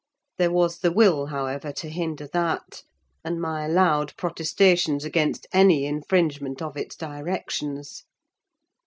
There was the will, however, to hinder that, and my loud protestations against any infringement of its directions.